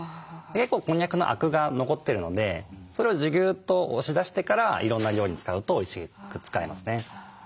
結構こんにゃくのアクが残ってるのでそれをギューッと押し出してからいろんな料理に使うとおいしく使えますね。